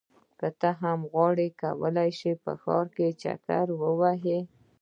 که ته هم غواړې کولی شې په ښار کې چکر ووهې.